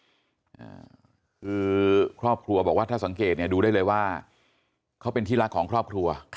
อ่าคือครอบครัวบอกว่าถ้าสังเกตเนี่ยดูได้เลยว่าเขาเป็นที่รักของครอบครัว